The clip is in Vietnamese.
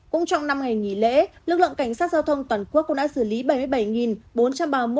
cũng trong năm ngày nghỉ lễ lực lượng cảnh sát giao thông toàn quốc cũng đã xử lý